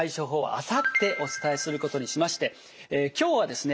あさってお伝えすることにしまして今日はですね